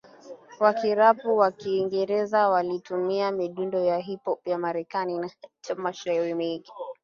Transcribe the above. Wakirapu kwa Kiingereza walitumia midundo ya hip hop ya Marekani na hata mashairi wengi